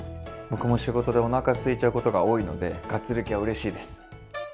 僕も仕事でおなかすいちゃうことが多いのでがっつり系はうれしいです。